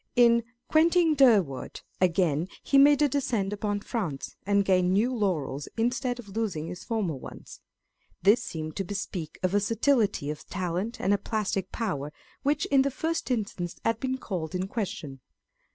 In Quentin Durward, again, he made a descent upon France, and gained new laurels, instead of losing his former ones. This seemed to bespeak a versatility of talent and a plastic power, which in the first instance had been called in question.